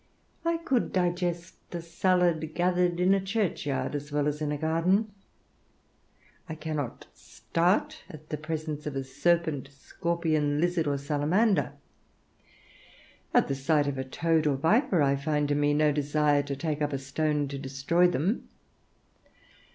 I could digest a salad gathered in a churchyard as well as in a garden. I cannot start at the presence of a serpent, scorpion, lizard, or salamander: at the sight of a toad or viper I find in me no desire to take up a stone to destroy them.